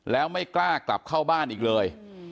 แล้วไม่กล้ากลับเข้าบ้านอีกเลย